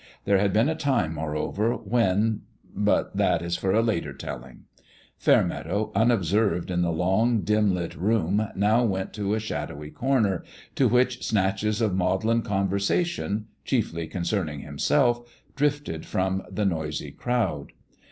There had been a time, moreover, when but that is for a later telling. Fairmeadow, un observed in the long, dim lit room, now went to a shadowy corner, to which snatches of maudlin conversation, chiefly concerning himself, drifted from the noisy crowd.